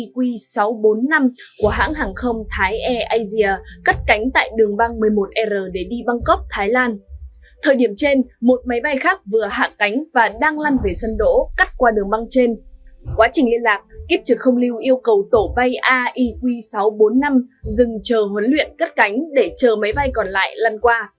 quá trình liên lạc kiếp trực không lưu yêu cầu tổ bay aiq sáu trăm bốn mươi năm dừng chờ huấn luyện cắt cánh để chờ máy bay còn lại lần qua